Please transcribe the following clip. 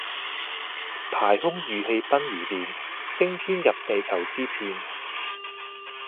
排空馭氣奔如電，升天入地求之遍。